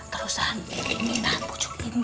terus angin inan bu jum'in